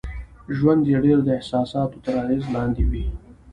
ژوند يې ډېر د احساساتو تر اغېز لاندې وي.